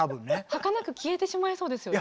はかなく消えてしまいそうですよね。